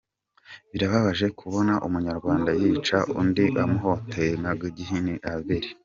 Birababaje kubona umunyarwanda yica undi amuhohoteye nka Gahini n’Abeli!